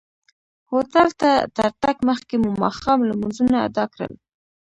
هوټل ته تر تګ مخکې مو ماښام لمونځونه ادا کړل.